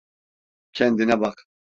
Kendine bak.